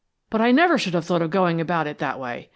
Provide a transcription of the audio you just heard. "But I never should have thought of going about it that way.